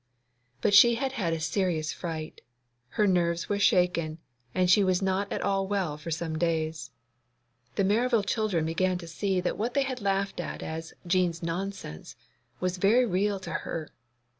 But she had had a serious fright; her nerves were shaken, and she was not at all well for some days. The Merival children began to see that what they had laughed at as 'Jean's nonsense' was very real to her.